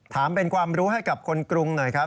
ถามเป็นความรู้ให้กับคนกรุงหน่อยครับ